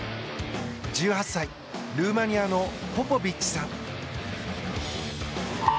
１８歳、ルーマニアのポポビッチさん。